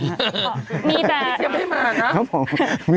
ยังไม่มานะ